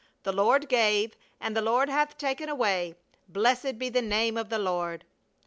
The Lord gave, and the Lord hath taken away. Blessed be the name of the Lord!"